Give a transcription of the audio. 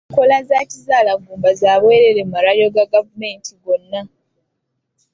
Enkola z’ekizaalaggumba za bwereere mu malwaliro ga gavumenti gonna.